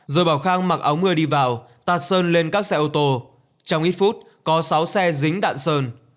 rồi bảo khang mặc áo mưa đi vào tạt sơn lên các xe ô tô trong ít phút có sáu xe dính đạn sơn